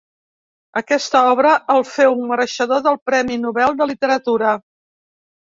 Aquesta obra el féu mereixedor del Premi Nobel de Literatura.